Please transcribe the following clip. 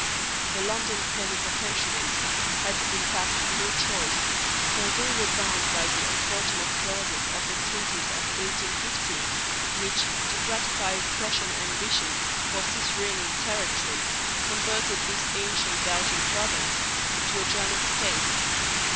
The London Plenipotentiaries had in fact no choice, for they were bound by the unfortunate clauses of the treaties of 1815, which, to gratify Prussian ambition for cis Rhenan territory, converted this ancient Belgian province into a German state.